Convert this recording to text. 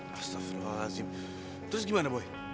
astagfirullahaladzim terus gimana boy